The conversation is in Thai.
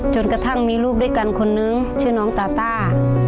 จนกระทั่งมีลูกด้วยกันคนนึงชื่อน้องตาต้า